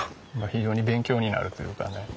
非常に勉強になるというかね。